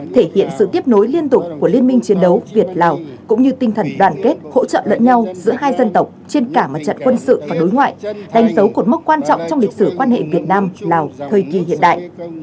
thể hiện sự tiếp nối liên tục của liên minh chiến đấu việt lào cũng như tinh thần đoàn kết hỗ trợ lẫn nhau giữa hai dân tộc trên cả mặt trận quân sự và đối ngoại đánh dấu cột mốc quan trọng trong lịch sử quan hệ việt nam lào thời kỳ hiện đại